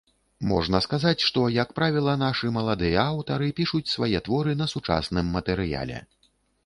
Можна сказаць, што, як правіла, нашы маладыя аўтары пішуць свае творы на сучасным матэрыяле.